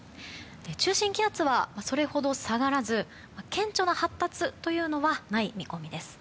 中心気圧はそれほど下がらず顕著な発達というのはない見込みです。